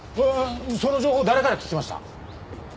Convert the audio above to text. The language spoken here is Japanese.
その情報誰から聞きました？